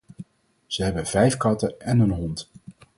Ze hebben vijf katten en een hond.